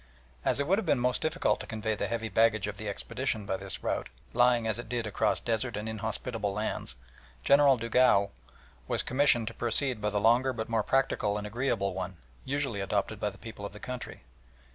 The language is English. As it would have been most difficult to convey the heavy baggage of the expedition by this route, lying as it did across desert and inhospitable lands, General Dugua was commissioned to proceed by the longer but more practical and agreeable one, usually adopted by the people of the country.